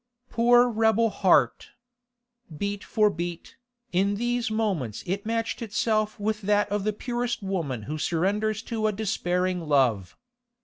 Poor rebel heart! Beat for beat, in these moments it matched itself with that of the purest woman who surrenders to a despairing love.